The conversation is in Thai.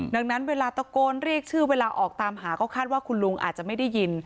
ดังนั้นเวลาตะโกนเรียกชื่อเวลาออกตามหาก็คาดว่าคุณลุงอาจจะไม่ได้ยิน